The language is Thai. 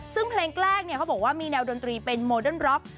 ซึ่งเพลงแรกเขาบอกว่ามีแนวดนตรีเป็นโมเดิร์นร็อก